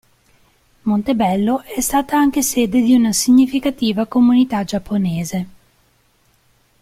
Montebello è stata anche sede di una significativa comunità giapponese.